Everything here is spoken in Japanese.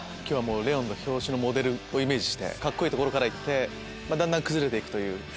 今日はもう『ＬＥＯＮ』の表紙のモデルをイメージしてカッコいいところから行ってだんだん崩れて行くという。